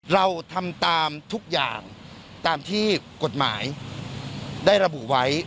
เราทำตามทุกอย่างตามที่กฎหมายได้ระบุไว้